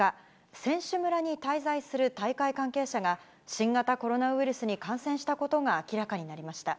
選手村に滞在する大会関係者が、新型コロナウイルスに感染したことが明らかになりました。